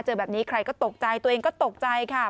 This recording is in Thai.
เจอแบบนี้ใครก็ตกใจตัวเองก็ตกใจค่ะ